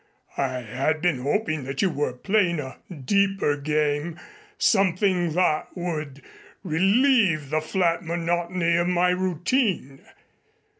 I had been hoping that you were playing a deeper game, something that would relieve the flat monotony of my routine.